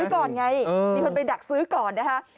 ก่อนไงมีคนไปดักซื้อก่อนนะคะ